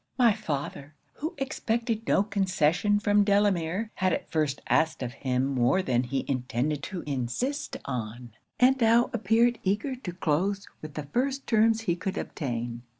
'My father, who expected no concession from Delamere, had at first asked of him more than he intended to insist on, and now appeared eager to close with the first terms he could obtain.